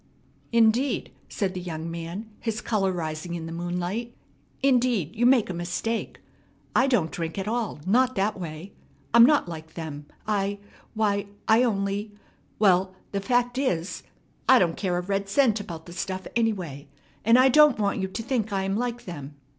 "Indeed," said the young man, his color rising in the moonlight, "indeed, you make a mistake. I don't drink at all, not that way. I'm not like them. I why, I only well, the fact is, I don't care a red cent about the stuff anyway; and I don't want you to think I'm like them.